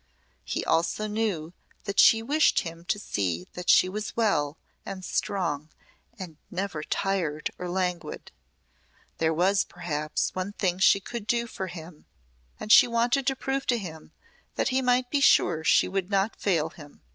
He also knew that she wished him to see that she was well and strong and never tired or languid. There was, perhaps, one thing she could do for him and she wanted to prove to him that he might be sure she would not fail him.